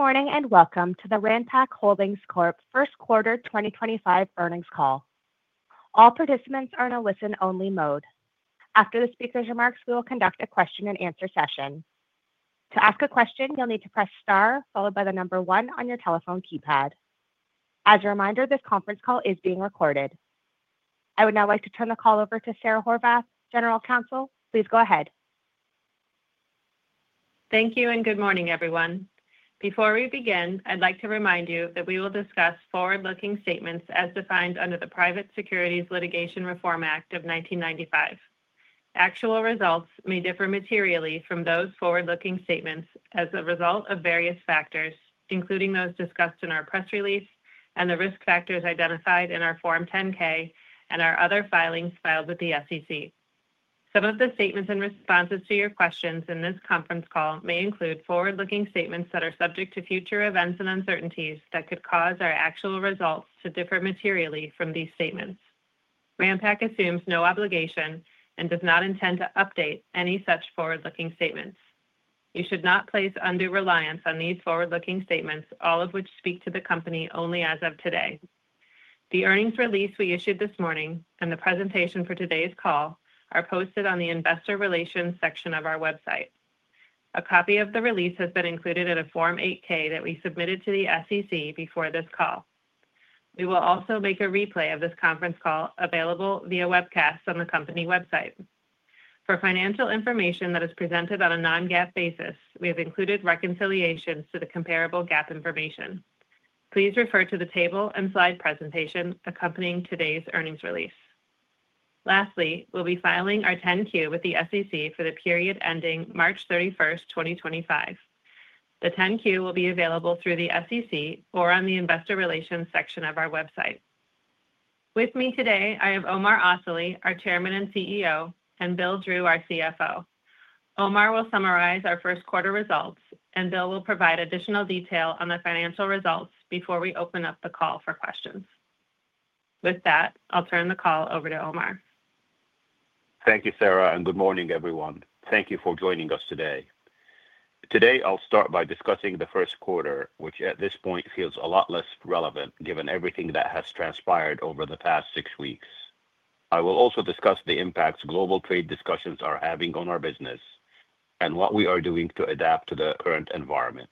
Good morning and welcome to the Ranpak Holdings Corp. first quarter 2025 earnings call. All participants are in a listen-only mode. After the speaker's remarks, we will conduct a question-and-answer session. To ask a question, you'll need to press star followed by the number one on your telephone keypad. As a reminder, this conference call is being recorded. I would now like to turn the call over to Sara Horvath, General Counsel. Please go ahead. Thank you and good morning, everyone. Before we begin, I'd like to remind you that we will discuss forward-looking statements as defined under the Private Securities Litigation Reform Act of 1995. Actual results may differ materially from those forward-looking statements as a result of various factors, including those discussed in our press release and the risk factors identified in our Form 10-K and our other filings filed with the SEC. Some of the statements and responses to your questions in this conference call may include forward-looking statements that are subject to future events and uncertainties that could cause our actual results to differ materially from these statements. Ranpak assumes no obligation and does not intend to update any such forward-looking statements. You should not place undue reliance on these forward-looking statements, all of which speak to the company only as of today. The earnings release we issued this morning and the presentation for today's call are posted on the Investor Relations section of our website. A copy of the release has been included in a Form 8-K that we submitted to the SEC before this call. We will also make a replay of this conference call available via webcast on the company website. For financial information that is presented on a non-GAAP basis, we have included reconciliations to the comparable GAAP information. Please refer to the table and slide presentation accompanying today's earnings release. Lastly, we'll be filing our 10-Q with the SEC for the period ending March 31st, 2025. The 10-Q will be available through the SEC or on the Investor Relations section of our website. With me today, I have Omar Asali, our Chairman and CEO, and Bill Drew, our CFO. Omar will summarize our first quarter results, and Bill will provide additional detail on the financial results before we open up the call for questions. With that, I'll turn the call over to Omar. Thank you, Sara, and good morning, everyone. Thank you for joining us today. Today, I'll start by discussing the first quarter, which at this point feels a lot less relevant given everything that has transpired over the past six weeks. I will also discuss the impacts global trade discussions are having on our business and what we are doing to adapt to the current environment.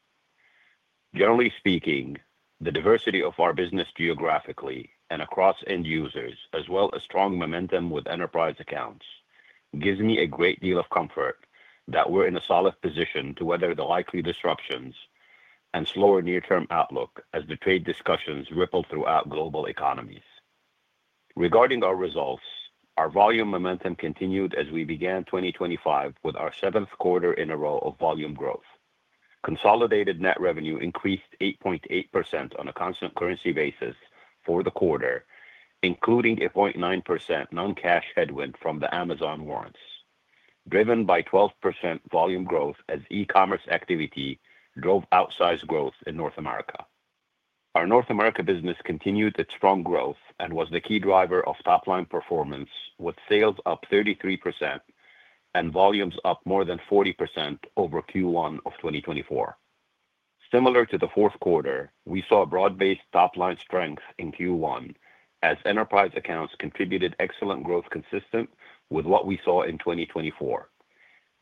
Generally speaking, the diversity of our business geographically and across end users, as well as strong momentum with enterprise accounts, gives me a great deal of comfort that we're in a solid position to weather the likely disruptions and slower near-term outlook as the trade discussions ripple throughout global economies. Regarding our results, our volume momentum continued as we began 2025 with our seventh quarter in a row of volume growth. Consolidated net revenue increased 8.8% on a constant currency basis for the quarter, including a 0.9% non-cash headwind from the Amazon warrants, driven by 12% volume growth as e-commerce activity drove outsized growth in North America. Our North America business continued its strong growth and was the key driver of top-line performance, with sales up 33% and volumes up more than 40% over Q1 of 2024. Similar to the fourth quarter, we saw broad-based top-line strength in Q1 as enterprise accounts contributed excellent growth consistent with what we saw in 2024,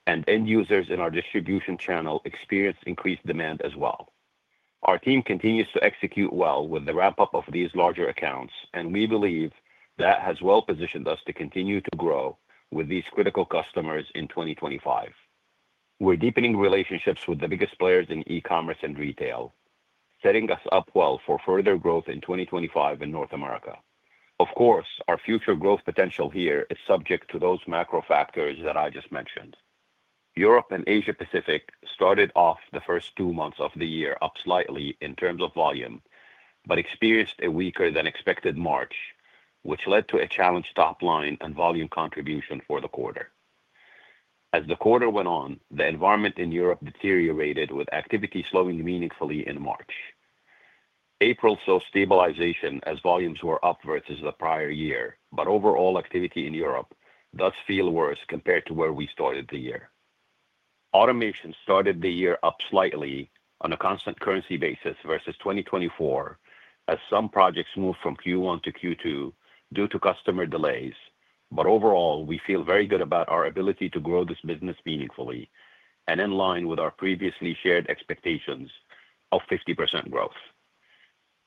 and end users in our distribution channel experienced increased demand as well. Our team continues to execute well with the ramp-up of these larger accounts, and we believe that has well positioned us to continue to grow with these critical customers in 2025. We're deepening relationships with the biggest players in e-commerce and retail, setting us up well for further growth in 2025 in North America. Of course, our future growth potential here is subject to those macro factors that I just mentioned. Europe and Asia-Pacific started off the first two months of the year up slightly in terms of volume but experienced a weaker-than-expected March, which led to a challenged top-line and volume contribution for the quarter. As the quarter went on, the environment in Europe deteriorated, with activity slowing meaningfully in March. April saw stabilization as volumes were up versus the prior year, but overall activity in Europe does feel worse compared to where we started the year. Automation started the year up slightly on a constant currency basis versus 2024, as some projects moved from Q1 to Q2 due to customer delays, but overall, we feel very good about our ability to grow this business meaningfully and in line with our previously shared expectations of 50% growth.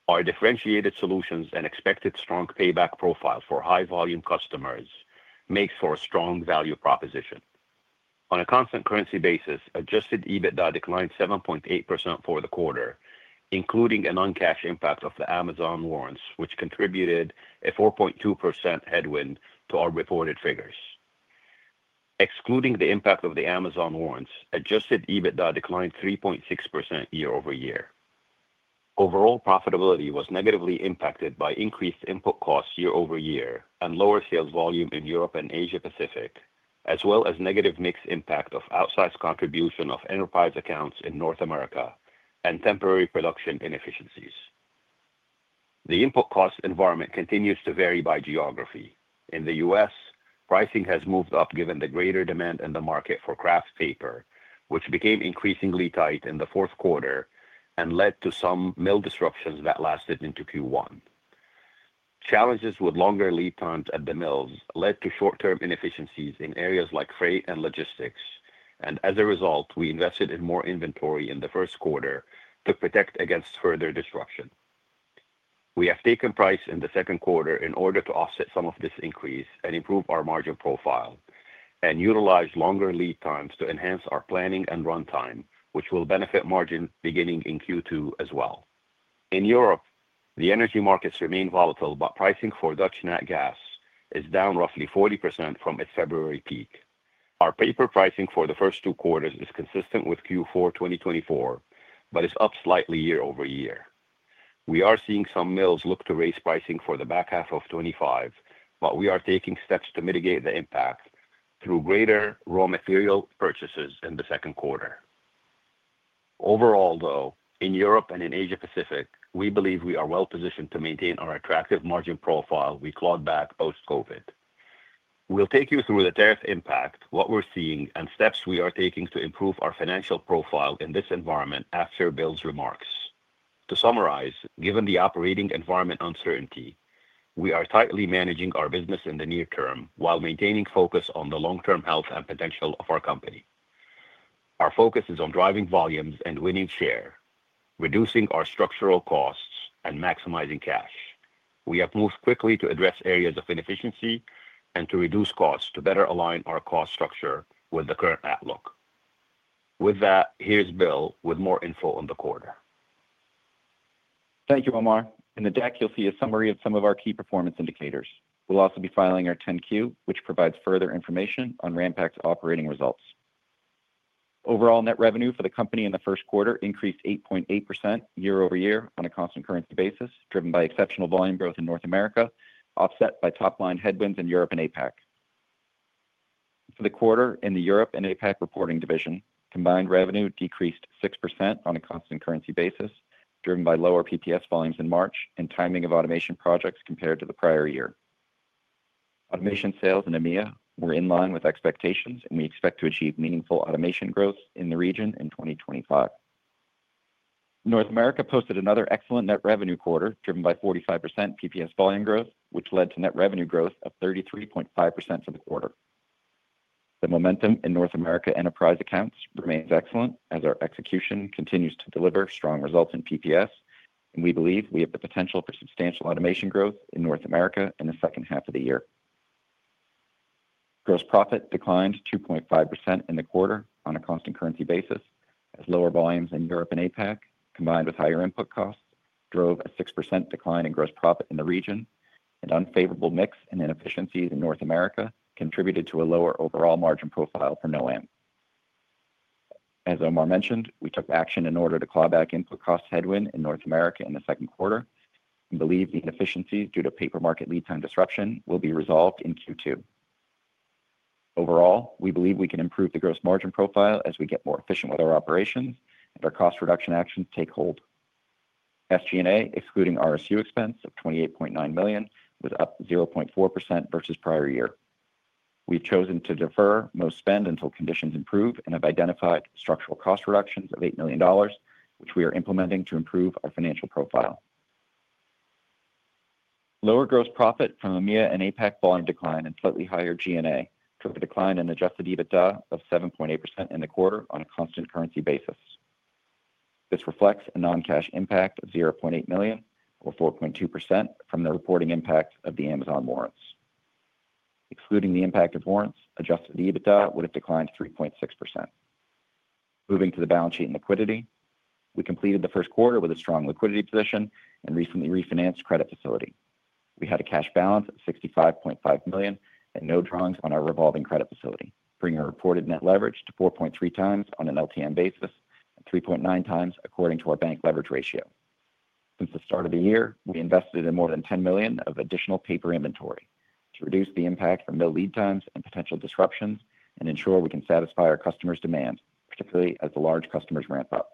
Our differentiated solutions and expected strong payback profile for high-volume customers make for a strong value proposition. On a constant currency basis, adjusted EBITDA declined 7.8% for the quarter, including a non-cash impact of the Amazon warrants, which contributed a 4.2% headwind to our reported figures. Excluding the impact of the Amazon warrants, adjusted EBITDA declined 3.6% year-over-year. Overall profitability was negatively impacted by increased input costs year-over-year and lower sales volume in Europe and Asia-Pacific, as well as negative mixed impact of outsized contribution of enterprise accounts in North America and temporary production inefficiencies. The input cost environment continues to vary by geography. In the U.S., pricing has moved up given the greater demand in the market for craft paper, which became increasingly tight in the fourth quarter and led to some mill disruptions that lasted into Q1. Challenges with longer lead times at the mills led to short-term inefficiencies in areas like freight and logistics, and as a result, we invested in more inventory in the first quarter to protect against further disruption. We have taken price in the second quarter in order to offset some of this increase and improve our margin profile and utilize longer lead times to enhance our planning and run time, which will benefit margin beginning in Q2 as well. In Europe, the energy markets remain volatile, but pricing for Dutch nat gas is down roughly 40% from its February peak. Our paper pricing for the first two quarters is consistent with Q4 2024 but is up slightly year-over-year. We are seeing some mills look to raise pricing for the back half of 2025, but we are taking steps to mitigate the impact through greater raw material purchases in the second quarter. Overall, though, in Europe and in Asia-Pacific, we believe we are well positioned to maintain our attractive margin profile we clawed back post-COVID. We will take you through the tariff impact, what we are seeing, and steps we are taking to improve our financial profile in this environment after Bill's remarks. To summarize, given the operating environment uncertainty, we are tightly managing our business in the near term while maintaining focus on the long-term health and potential of our company. Our focus is on driving volumes and winning share, reducing our structural costs, and maximizing cash. We have moved quickly to address areas of inefficiency and to reduce costs to better align our cost structure with the current outlook. With that, here's Bill with more info on the quarter. Thank you, Omar. In the deck, you'll see a summary of some of our key performance indicators. We'll also be filing our 10-Q, which provides further information on Ranpak's operating results. Overall net revenue for the company in the first quarter increased 8.8% year-over-year on a constant currency basis, driven by exceptional volume growth in North America, offset by top-line headwinds in Europe and APAC. For the quarter, in the Europe and APAC reporting division, combined revenue decreased 6% on a constant currency basis, driven by lower PPS volumes in March and timing of automation projects compared to the prior year. Automation sales in EMEA were in line with expectations, and we expect to achieve meaningful automation growth in the region in 2025. North America posted another excellent net revenue quarter, driven by 45% PPS volume growth, which led to net revenue growth of 33.5% for the quarter. The momentum in North America enterprise accounts remains excellent as our execution continues to deliver strong results in PPS, and we believe we have the potential for substantial automation growth in North America in the second half of the year. Gross profit declined 2.5% in the quarter on a constant currency basis, as lower volumes in Europe and APAC, combined with higher input costs, drove a 6% decline in gross profit in the region, and unfavorable mix and inefficiencies in North America contributed to a lower overall margin profile for NOAM. As Omar mentioned, we took action in order to claw back input cost headwind in North America in the second quarter and believe the inefficiencies due to paper market lead time disruption will be resolved in Q2. Overall, we believe we can improve the gross margin profile as we get more efficient with our operations and our cost reduction actions take hold. SG&A, excluding RSU expense of $28.9 million, was up 0.4% versus prior year. We've chosen to defer most spend until conditions improve and have identified structural cost reductions of $8 million, which we are implementing to improve our financial profile. Lower gross profit from EMEA and APAC volume decline and slightly higher G&A drove a decline in adjusted EBITDA of 7.8% in the quarter on a constant currency basis. This reflects a non-cash impact of $0.8 million, or 4.2%, from the reporting impact of the Amazon warrants. Excluding the impact of warrants, adjusted EBITDA would have declined 3.6%. Moving to the balance sheet and liquidity, we completed the first quarter with a strong liquidity position and recently refinanced credit facility. We had a cash balance of $65.5 million and no drawings on our revolving credit facility, bringing our reported net leverage to 4.3x on an LTM basis and 3.9x according to our bank leverage ratio. Since the start of the year, we invested in more than $10 million of additional paper inventory to reduce the impact from mill lead times and potential disruptions and ensure we can satisfy our customers' demand, particularly as the large customers ramp up.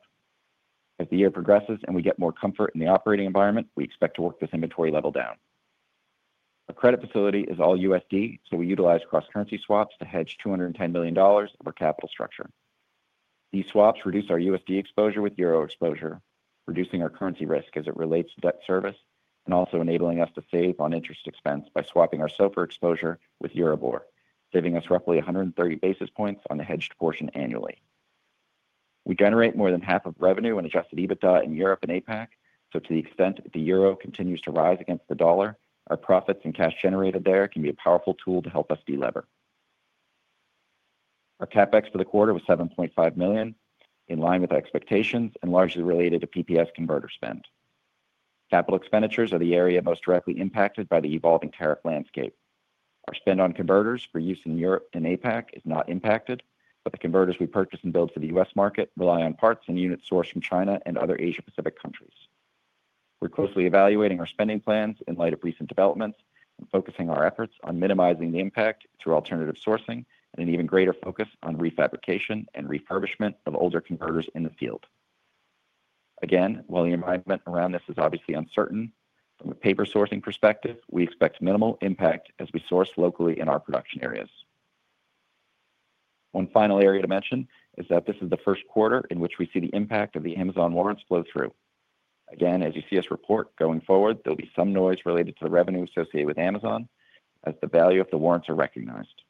As the year progresses and we get more comfort in the operating environment, we expect to work this inventory level down. Our credit facility is all USD, so we utilize cross-currency swaps to hedge $210 million of our capital structure. These swaps reduce our USD exposure with euro exposure, reducing our currency risk as it relates to debt service and also enabling us to save on interest expense by swapping our SOFR exposure with Euribor, saving us roughly 130 basis points on the hedged portion annually. We generate more than half of revenue and adjusted EBITDA in Europe and APAC, so to the extent the euro continues to rise against the dollar, our profits and cash generated there can be a powerful tool to help us delever. Our CapEx for the quarter was $7.5 million, in line with our expectations and largely related to PPS converter spend. Capital expenditures are the area most directly impacted by the evolving tariff landscape. Our spend on converters for use in Europe and APAC is not impacted, but the converters we purchase and build for the U.S. market rely on parts and units sourced from China and other Asia-Pacific countries. We're closely evaluating our spending plans in light of recent developments and focusing our efforts on minimizing the impact through alternative sourcing and an even greater focus on refabrication and refurbishment of older converters in the field. Again, while the environment around this is obviously uncertain, from a paper sourcing perspective, we expect minimal impact as we source locally in our production areas. One final area to mention is that this is the first quarter in which we see the impact of the Amazon warrants flow through. Again, as you see us report, going forward, there'll be some noise related to the revenue associated with Amazon as the value of the warrants are recognized.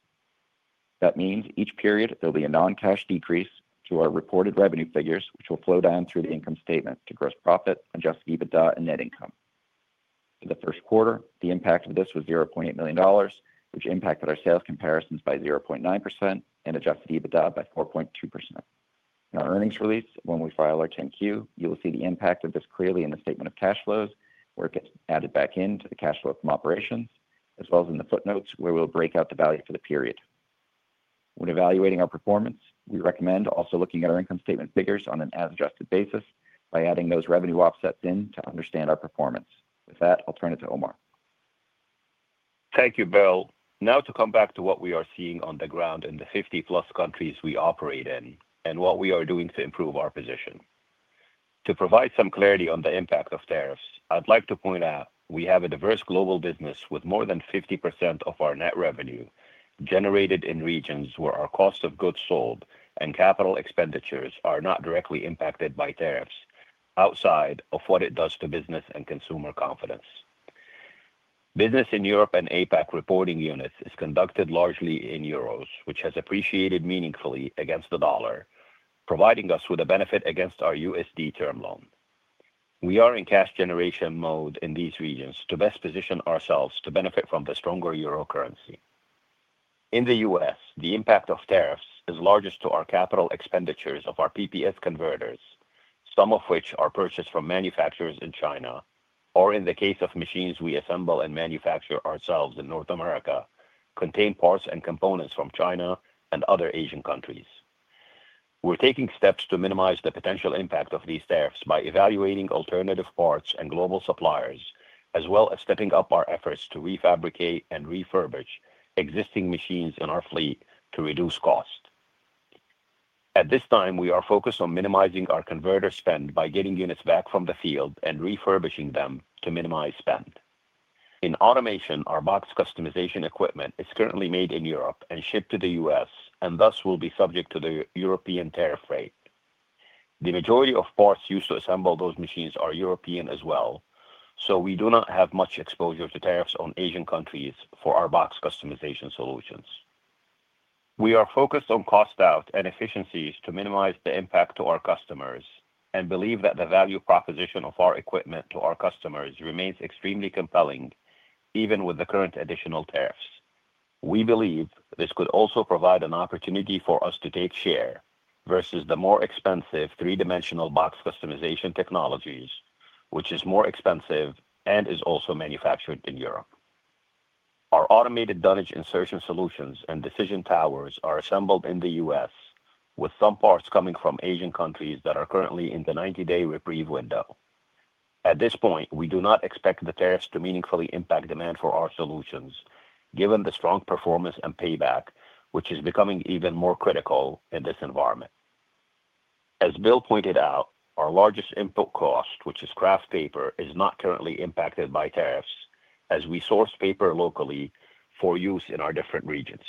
That means each period there'll be a non-cash decrease to our reported revenue figures, which will flow down through the income statement to gross profit, adjusted EBITDA, and net income. For the first quarter, the impact of this was $0.8 million, which impacted our sales comparisons by 0.9% and adjusted EBITDA by 4.2%. In our earnings release, when we file our 10-Q, you will see the impact of this clearly in the statement of cash flows, where it gets added back into the cash flow from operations, as well as in the footnotes where we'll break out the value for the period. When evaluating our performance, we recommend also looking at our income statement figures on an as-adjusted basis by adding those revenue offsets in to understand our performance. With that, I'll turn it to Omar. Thank you, Bill. Now to come back to what we are seeing on the ground in the 50+ countries we operate in and what we are doing to improve our position. To provide some clarity on the impact of tariffs, I'd like to point out we have a diverse global business with more than 50% of our net revenue generated in regions where our cost of goods sold and capital expenditures are not directly impacted by tariffs outside of what it does to business and consumer confidence. Business in Europe and APAC reporting units is conducted largely in euros, which has appreciated meaningfully against the dollar, providing us with a benefit against our USD term loan. We are in cash generation mode in these regions to best position ourselves to benefit from the stronger euro currency. In the U.S., the impact of tariffs is largest to our capital expenditures of our PPS converters, some of which are purchased from manufacturers in China, or in the case of machines we assemble and manufacture ourselves in North America, contain parts and components from China and other Asian countries. We're taking steps to minimize the potential impact of these tariffs by evaluating alternative parts and global suppliers, as well as stepping up our efforts to refabricate and refurbish existing machines in our fleet to reduce cost. At this time, we are focused on minimizing our converter spend by getting units back from the field and refurbishing them to minimize spend. In automation, our box customization equipment is currently made in Europe and shipped to the U.S., and thus will be subject to the European tariff rate. The majority of parts used to assemble those machines are European as well, so we do not have much exposure to tariffs on Asian countries for our box customization solutions. We are focused on cost out and efficiencies to minimize the impact to our customers and believe that the value proposition of our equipment to our customers remains extremely compelling, even with the current additional tariffs. We believe this could also provide an opportunity for us to take share versus the more expensive three-dimensional box customization technologies, which is more expensive and is also manufactured in Europe. Our automated dunnage insertion solutions and decision towers are assembled in the U.S., with some parts coming from Asian countries that are currently in the 90-day reprieve window. At this point, we do not expect the tariffs to meaningfully impact demand for our solutions, given the strong performance and payback, which is becoming even more critical in this environment. As Bill pointed out, our largest input cost, which is craft paper, is not currently impacted by tariffs as we source paper locally for use in our different regions.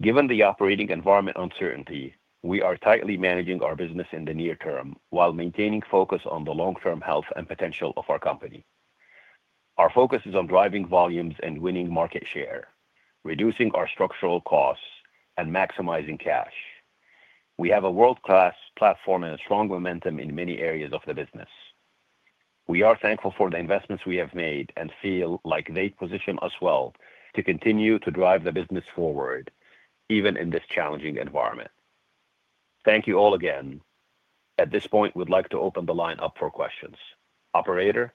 Given the operating environment uncertainty, we are tightly managing our business in the near term while maintaining focus on the long-term health and potential of our company. Our focus is on driving volumes and winning market share, reducing our structural costs, and maximizing cash. We have a world-class platform and a strong momentum in many areas of the business. We are thankful for the investments we have made and feel like they position us well to continue to drive the business forward, even in this challenging environment. Thank you all again. At this point, we'd like to open the line up for questions. Operator.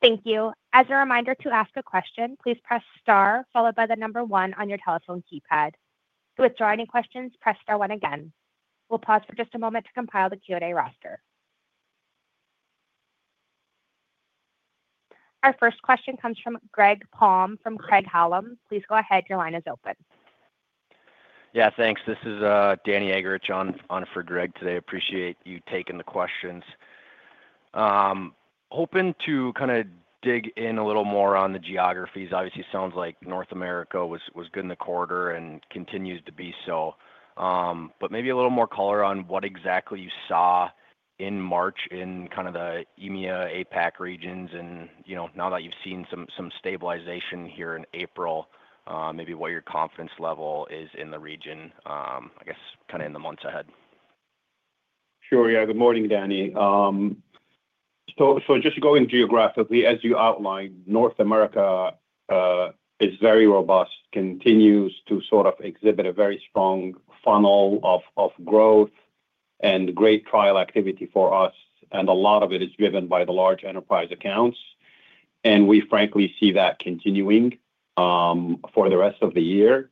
Thank you. As a reminder to ask a question, please press Star, followed by the number one on your telephone keypad. To withdraw any questions, press Star one again. We'll pause for just a moment to compile the Q&A roster. Our first question comes from Greg Palm from Craig-Hallum. Please go ahead. Your line is open. Yeah, thanks. This is Daniel Eggerichs on for Greg today. Appreciate you taking the questions. Hoping to kind of dig in a little more on the geographies. Obviously, it sounds like North America was good in the quarter and continues to be so, but maybe a little more color on what exactly you saw in March in kind of the EMEA, APAC regions. Now that you've seen some stabilization here in April, maybe what your confidence level is in the region, I guess, kind of in the months ahead. Sure. Yeah, good morning, Danny. Just going geographically, as you outlined, North America is very robust, continues to sort of exhibit a very strong funnel of growth and great trial activity for us, and a lot of it is driven by the large enterprise accounts. We, frankly, see that continuing for the rest of the year.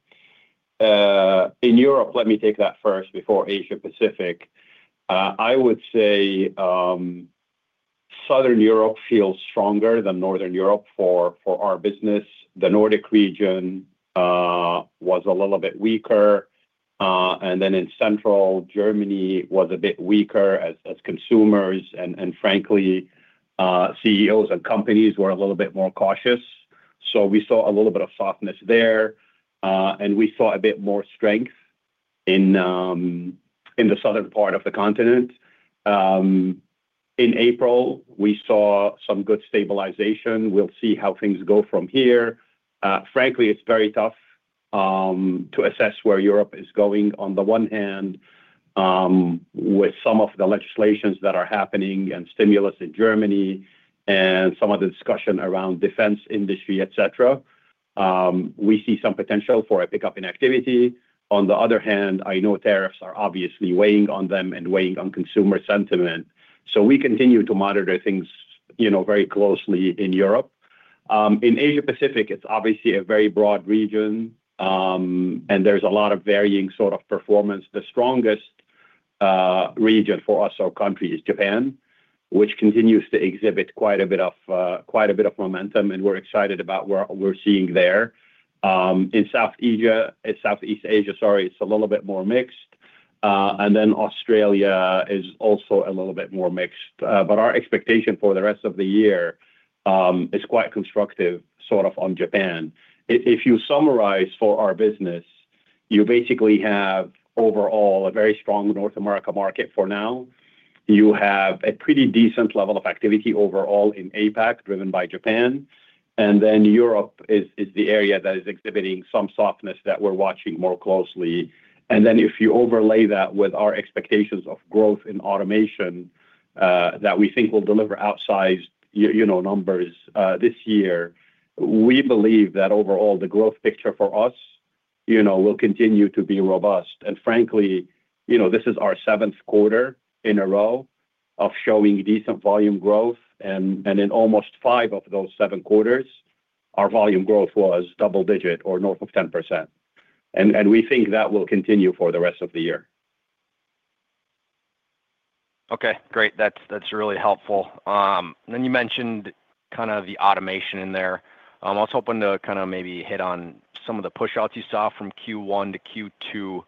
In Europe, let me take that first before Asia-Pacific. I would say Southern Europe feels stronger than Northern Europe for our business. The Nordic region was a little bit weaker, and then in Central, Germany was a bit weaker as consumers, and frankly, CEOs and companies were a little bit more cautious. We saw a little bit of softness there, and we saw a bit more strength in the southern part of the continent. In April, we saw some good stabilization. We'll see how things go from here. Frankly, it's very tough to assess where Europe is going. On the one hand, with some of the legislations that are happening and stimulus in Germany and some of the discussion around defense industry, etc., we see some potential for a pickup in activity. On the other hand, I know tariffs are obviously weighing on them and weighing on consumer sentiment, so we continue to monitor things very closely in Europe. In Asia-Pacific, it's obviously a very broad region, and there's a lot of varying sort of performance. The strongest region for us, or country, is Japan, which continues to exhibit quite a bit of momentum, and we're excited about what we're seeing there. In Southeast Asia, sorry, it's a little bit more mixed, and then Australia is also a little bit more mixed, but our expectation for the rest of the year is quite constructive sort of on Japan. If you summarize for our business, you basically have overall a very strong North America market for now. You have a pretty decent level of activity overall in APAC driven by Japan, and Europe is the area that is exhibiting some softness that we're watching more closely. If you overlay that with our expectations of growth in automation that we think will deliver outsized numbers this year, we believe that overall the growth picture for us will continue to be robust. Frankly, this is our seventh quarter in a row of showing decent volume growth, and in almost five of those seven quarters, our volume growth was double-digit or north of 10%. We think that will continue for the rest of the year. Okay. Great. That's really helpful. You mentioned kind of the automation in there. I was hoping to kind of maybe hit on some of the push-outs you saw from Q1 to Q2.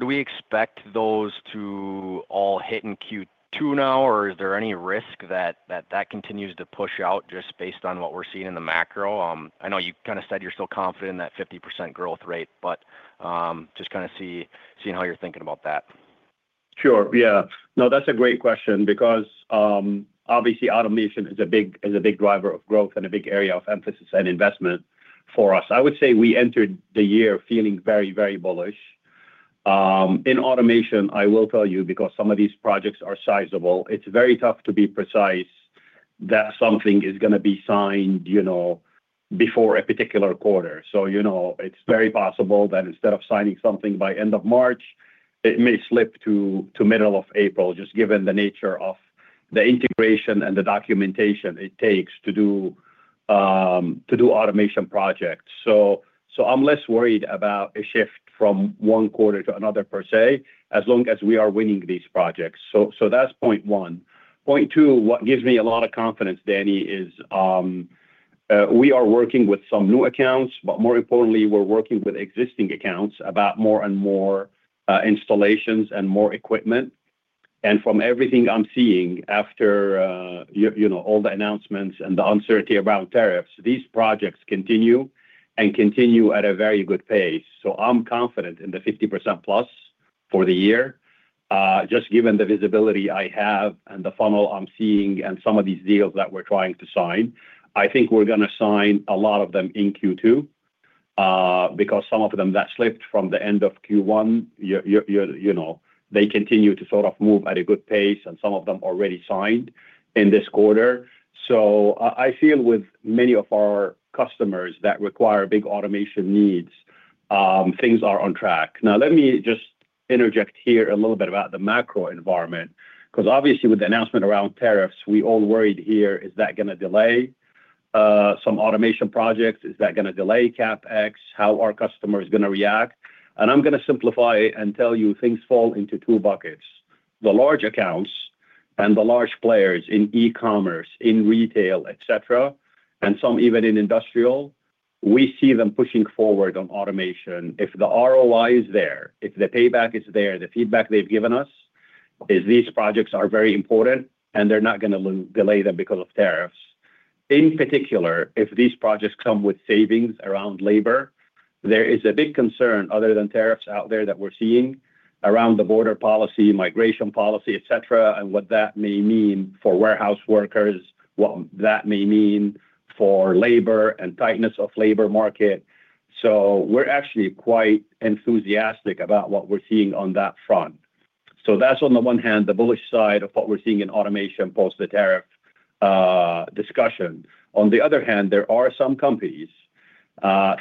Do we expect those to all hit in Q2 now, or is there any risk that that continues to push out just based on what we're seeing in the macro? I know you kind of said you're still confident in that 50% growth rate, but just kind of seeing how you're thinking about that. Sure. Yeah. No, that's a great question because obviously automation is a big driver of growth and a big area of emphasis and investment for us. I would say we entered the year feeling very, very bullish. In automation, I will tell you, because some of these projects are sizable, it's very tough to be precise that something is going to be signed before a particular quarter. It is very possible that instead of signing something by end of March, it may slip to middle of April, just given the nature of the integration and the documentation it takes to do automation projects. I'm less worried about a shift from one quarter to another per se, as long as we are winning these projects. That's point one. Point two, what gives me a lot of confidence, Danny, is we are working with some new accounts, but more importantly, we're working with existing accounts about more and more installations and more equipment. From everything I'm seeing after all the announcements and the uncertainty around tariffs, these projects continue and continue at a very good pace. I am confident in the 50%+ for the year, just given the visibility I have and the funnel I'm seeing and some of these deals that we're trying to sign. I think we're going to sign a lot of them in Q2 because some of them that slipped from the end of Q1, they continue to sort of move at a good pace, and some of them already signed in this quarter. I feel with many of our customers that require big automation needs, things are on track. Now, let me just interject here a little bit about the macro environment because obviously with the announcement around tariffs, we all worried here, is that going to delay some automation projects? Is that going to delay CapEx? How are customers going to react? I'm going to simplify it and tell you things fall into two buckets. The large accounts and the large players in e-commerce, in retail, etc., and some even in industrial, we see them pushing forward on automation. If the ROI is there, if the payback is there, the feedback they've given us is these projects are very important and they're not going to delay them because of tariffs. In particular, if these projects come with savings around labor, there is a big concern other than tariffs out there that we're seeing around the border policy, migration policy, etc., and what that may mean for warehouse workers, what that may mean for labor and tightness of labor market. We're actually quite enthusiastic about what we're seeing on that front. That's on the one hand, the bullish side of what we're seeing in automation post-the-tariff discussion. On the other hand, there are some companies,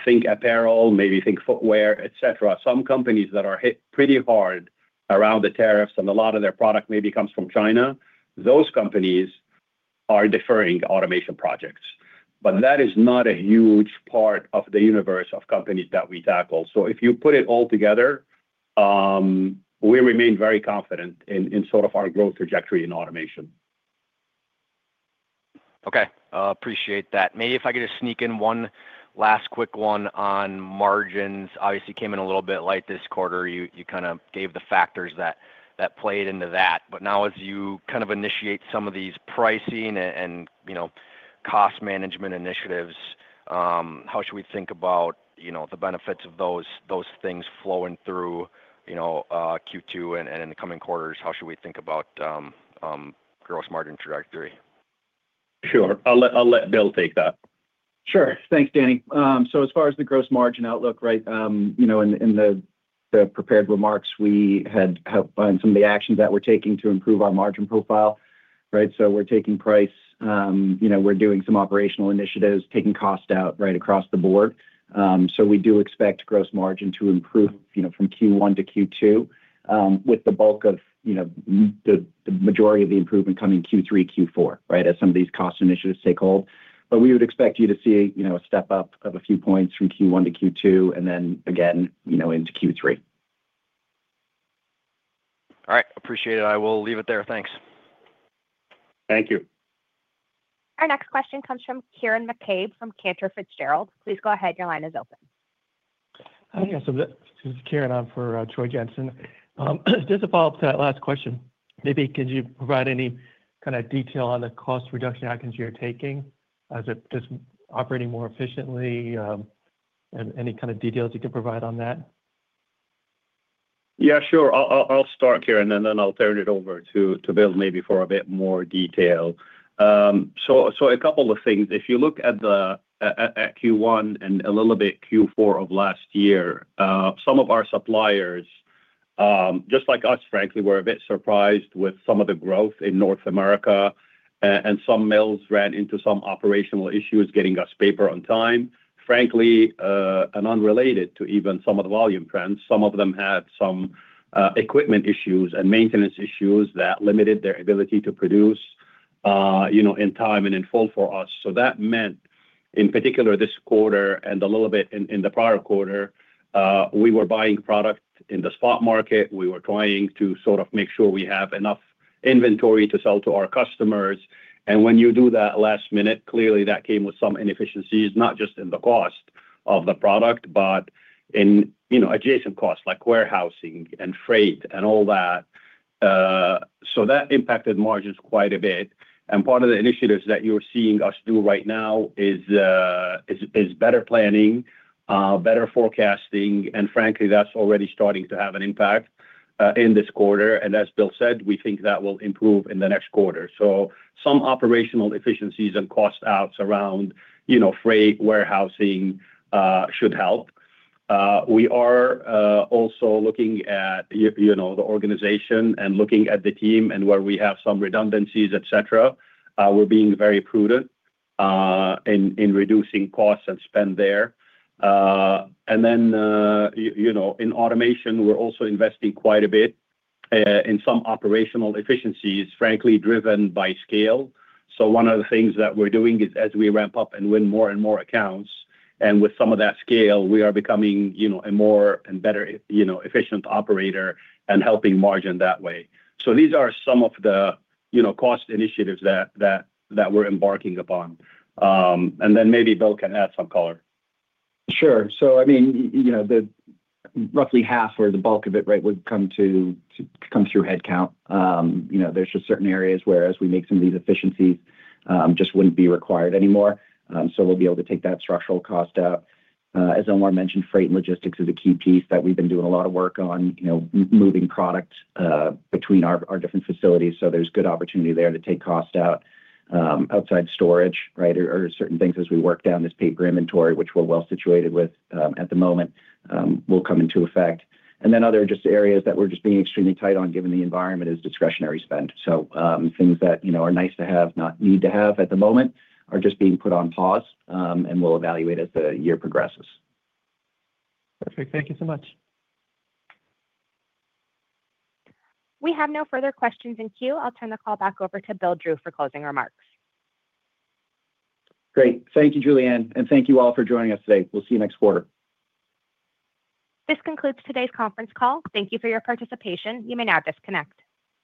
think apparel, maybe think footwear, etc., some companies that are hit pretty hard around the tariffs and a lot of their product maybe comes from China. Those companies are deferring automation projects, but that is not a huge part of the universe of companies that we tackle. If you put it all together, we remain very confident in sort of our growth trajectory in automation. Okay. Appreciate that. Maybe if I get to sneak in one last quick one on margins. Obviously, it came in a little bit late this quarter. You kind of gave the factors that played into that. Now, as you kind of initiate some of these pricing and cost management initiatives, how should we think about the benefits of those things flowing through Q2 and in the coming quarters? How should we think about gross margin trajectory? Sure. I'll let Bill take that. Sure. Thanks, Danny. As far as the gross margin outlook, right, in the prepared remarks, we had some of the actions that we are taking to improve our margin profile, right? We are taking price, we are doing some operational initiatives, taking cost out right across the board. We do expect gross margin to improve from Q1 to Q2 with the bulk of the majority of the improvement coming Q3, Q4, right, as some of these cost initiatives take hold. We would expect you to see a step up of a few points from Q1 to Q2 and then again into Q3. All right. Appreciate it. I will leave it there. Thanks. Thank you. Our next question comes from Karen McCabe from Cantor Fitzgerald. Please go ahead. Your line is open. Hi, this is Troy Jensen. Just a follow-up to that last question. Maybe could you provide any kind of detail on the cost reduction actions you're taking as it's operating more efficiently and any kind of details you can provide on that? Yeah, sure. I'll start here, and then I'll turn it over to Bill maybe for a bit more detail. A couple of things. If you look at Q1 and a little bit Q4 of last year, some of our suppliers, just like us, frankly, were a bit surprised with some of the growth in North America, and some mills ran into some operational issues getting us paper on time. Frankly, and unrelated to even some of the volume trends, some of them had some equipment issues and maintenance issues that limited their ability to produce in time and in full for us. That meant, in particular, this quarter and a little bit in the prior quarter, we were buying product in the spot market. We were trying to sort of make sure we have enough inventory to sell to our customers. When you do that last minute, clearly that came with some inefficiencies, not just in the cost of the product, but in adjacent costs like warehousing and freight and all that. That impacted margins quite a bit. Part of the initiatives that you are seeing us do right now is better planning, better forecasting, and frankly, that is already starting to have an impact in this quarter. As Bill said, we think that will improve in the next quarter. Some operational efficiencies and cost outs around freight and warehousing should help. We are also looking at the organization and looking at the team and where we have some redundancies, etc. We are being very prudent in reducing costs and spend there. In automation, we are also investing quite a bit in some operational efficiencies, frankly, driven by scale. One of the things that we're doing is as we ramp up and win more and more accounts, and with some of that scale, we are becoming a more and better efficient operator and helping margin that way. These are some of the cost initiatives that we're embarking upon. Maybe Bill can add some color. Sure. I mean, roughly half or the bulk of it, right, would come through headcount. There are just certain areas where as we make some of these efficiencies, just would not be required anymore. We will be able to take that structural cost out. As Omar mentioned, freight and logistics is a key piece that we have been doing a lot of work on, moving product between our different facilities. There is good opportunity there to take cost out, outside storage, right, or certain things as we work down this paper inventory, which we are well situated with at the moment, will come into effect. Other areas that we are just being extremely tight on given the environment is discretionary spend. Things that are nice to have, not need to have at the moment, are just being put on pause, and we will evaluate as the year progresses. Perfect. Thank you so much. We have no further questions in queue. I'll turn the call back over to Bill Drew for closing remarks. Great. Thank you, Julianne. Thank you all for joining us today. We'll see you next quarter. This concludes today's conference call. Thank you for your participation. You may now disconnect.